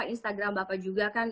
instagram bapak juga kan